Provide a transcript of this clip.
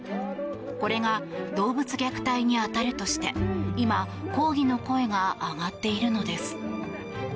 これが動物虐待に当たるとして今、抗議の声が上がっているのです。